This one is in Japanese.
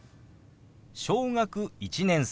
「小学１年生」。